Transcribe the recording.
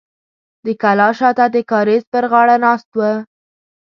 د کلا شاته د کاریز پر غاړه ناست و.